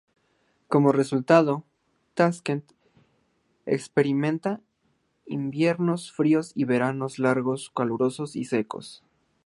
Como resultado, Taskent experimenta inviernos fríos y veranos largos, calurosos y secos.